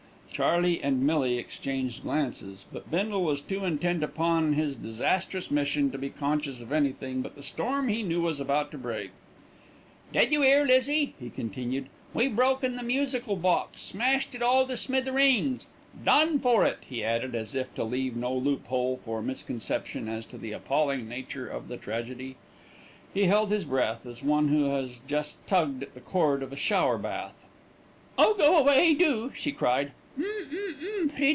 Charley and Millie exchanged glances; but Bindle was too intent upon his disastrous mission to be conscious of anything but the storm he knew was about to break. "Did you 'ear, Lizzie," he continued. "We broken the musical box. Smashed it all to smithereens. Done for it," he added, as if to leave no loophole for misconception as to the appalling nature of the tragedy. He held his breath, as one who has just tugged at the cord of a shower bath. "Oh! go away do!" she cried.